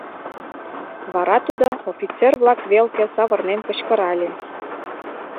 Вара тудо офицер-влак велке савырнен кычкырале: